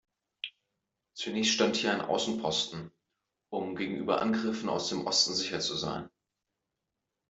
Zunächst stand hier ein Außenposten, um gegenüber Angriffen aus dem Osten sicher zu sein.